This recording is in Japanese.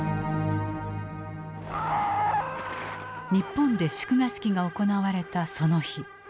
日本で祝賀式が行われたその日。